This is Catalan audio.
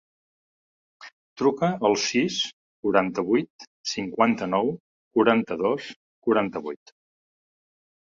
Truca al sis, quaranta-vuit, cinquanta-nou, quaranta-dos, quaranta-vuit.